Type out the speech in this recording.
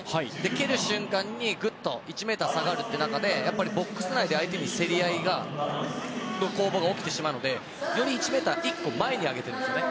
蹴る瞬間にぐっと１ｍ下がるという中でボックス内で相手と競り合いの攻防が起きてしまうのでより１ｍ、１個前に上げているんですね。